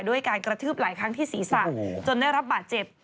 ด้วยการกระทืบหลายครั้งที่ศีรษะจนได้รับบาดเจ็บ